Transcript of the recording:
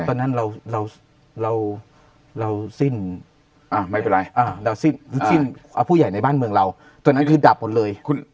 ตอนนั้นเราสิ้นพวกผู้ใหญ่ในบ้านเมืองเราตอนนั้นคือดับหมดเลย